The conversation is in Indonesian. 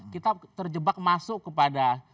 kita terjebak masuk kepada